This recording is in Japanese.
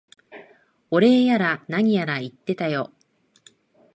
お礼やら何やら言ってたよ。